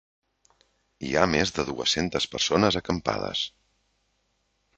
Hi ha més de dues-centes persones acampades